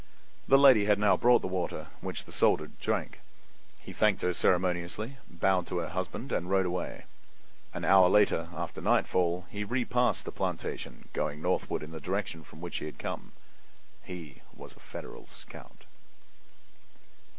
The lady had now brought the water, which the soldier drank. He thanked her ceremoniously, bowed to her husband and rode away. An hour later, after nightfall, he repassed the plantation, going northward in the direction from which he had come. He was a Federal scout.